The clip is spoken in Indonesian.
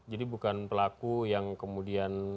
jadi bukan pelaku yang kemudian